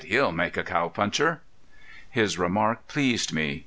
He'll make a cowpuncher!" His remark pleased me.